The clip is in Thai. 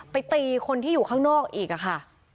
ตีคนที่อยู่ข้างนอกอีกค่ะ